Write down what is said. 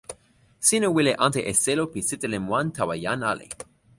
sina wile ante e selo pi sitelen wan tawa jan ali.